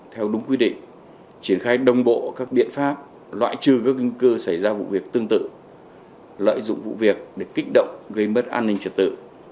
theo đúng quy định triển khai đồng bộ các biện pháp loại trừ các nguy cơ xảy ra vụ việc tương tự lợi dụng vụ việc để kích động gây mất an ninh trật tự